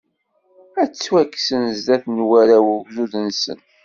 Ad ttwakksen zdat n warraw n ugdud-nsen.